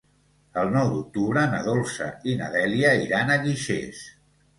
El nou d'octubre na Dolça i na Dèlia iran a Guixers.